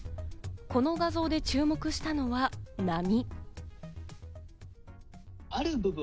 この画像で注目したのは波。